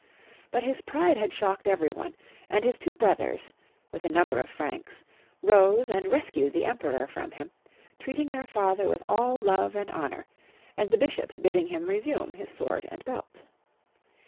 But his pride had shocked every one, and liis two brothers, with a number of Franks, rose and rescued the Emperor from him, treating their father with all love and honor, and the bishops bidding liim resume his sword and belt.